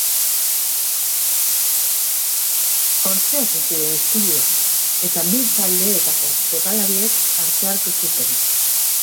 Hortxe hasi ziren istiluak, eta bi taldeetako jokalariek parte hartu zuten.